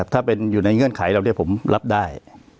ถ้าอยู่ในเงื่อนไขเราผมรับได้